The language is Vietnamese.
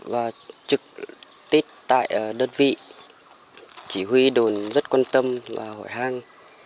và trực tết tại đơn vị chỉ huy đồn rất quan tâm và hỏi hăng